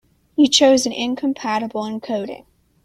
You chose an incompatible encoding.